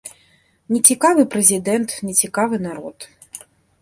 Нецікавы прэзідэнт, нецікавы народ.